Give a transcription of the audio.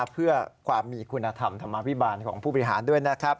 เพื่อความมีคุณธรรมธรรมภิบาลของผู้บริหารด้วยนะครับ